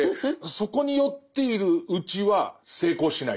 そこに酔っているうちは成功しない。